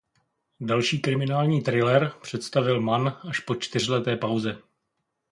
Další kriminální thriller představil Mann až po čtyřleté pauze.